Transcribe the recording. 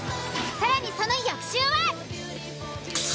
更にその翌週は。